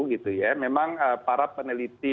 gitu ya memang para peneliti